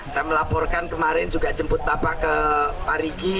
saya melaporkan kemarin juga jemput bapak ke parigi